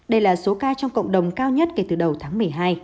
đây là số ca trong cộng đồng cao nhất kể từ đầu tháng một mươi hai